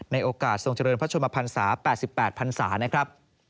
ในโอกาสทรงเจริญพระชมพันศา๘๘พันศานะครับ